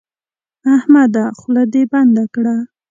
احمده خوله دې بنده کړه.